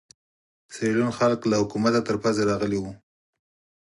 سیریلیون خلک له حکومته تر پزې راغلي وو.